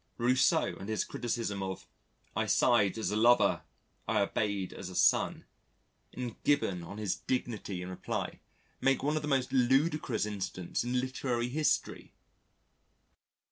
Rousseau and his criticism of "I sighed as a lover; I obeyed as a son," and Gibbon on his dignity in reply make one of the most ludicrous incidents in literary history.